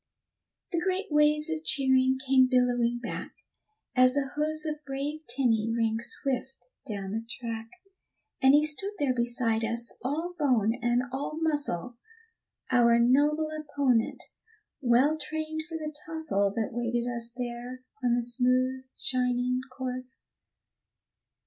The great waves of cheering came billowing back, As the hoofs of brave Tenny rang swift down the track; And he stood there beside us, all bone and all muscle, Our noble opponent, well trained for the tussle That waited us there on the smooth, shining course.